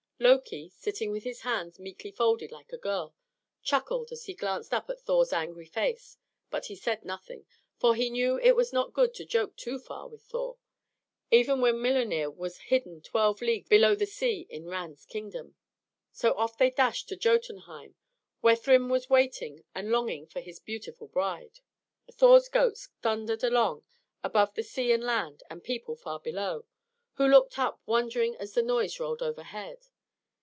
Loki, sitting with his hands meekly folded like a girl, chuckled as he glanced up at Thor's angry face; but he said nothing, for he knew it was not good to joke too far with Thor, even when Milönir was hidden twelve leagues below the sea in Ran's kingdom. So off they dashed to Jotunheim, where Thrym was waiting and longing for his beautiful bride. Thor's goats thundered along above the sea and land and people far below, who looked up wondering as the noise rolled overhead.